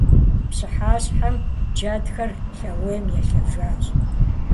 Пщыхьэщхьэм джэдхэр лъэуейм елъэжащ.